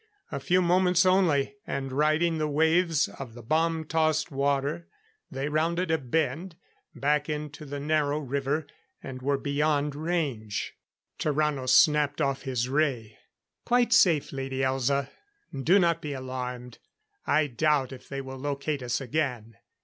A few moments only; and riding the waves of the bomb tossed water, they rounded a bend, back into the narrow river and were beyond range. Tarrano snapped off his ray. "Quite safe, Lady Elza. Do not be alarmed. I doubt if they will locate us again.